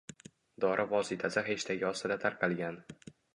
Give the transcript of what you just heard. Dori vositasi heshtegi ostida tarqalgan.